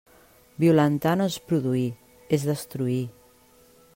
Violentar no és produir, és destruir.